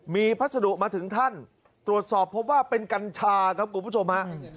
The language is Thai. มีพัสดุมาถึงท่านตรวจสอบพบว่าเป็นกัญชาครับคุณผู้ชมฮะ